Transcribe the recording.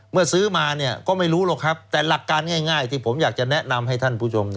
ซื้อมาก็ไม่รู้หรอกครับแต่หลักการง่ายที่ผมอยากจะแนะนำให้ท่านผู้ชม